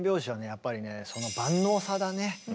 やっぱりねその万能さだね。